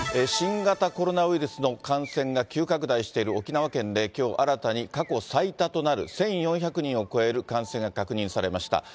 新型コロナウイルスの感染が急拡大している沖縄県できょう、新たに過去最多となる１４００人を超える感染が確認されました。